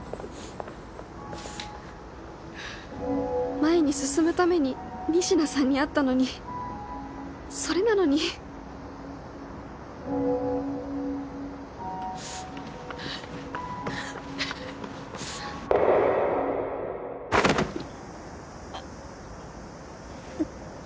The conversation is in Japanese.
前に進むために仁科さんに会ったのにそれなのに痛った。